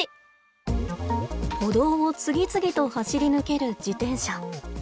歩道を次々と走り抜ける自転車。